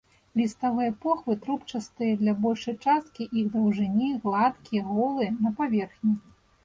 Ліставыя похвы трубчастыя для большай часткі іх даўжыні, гладкія, голыя на паверхні.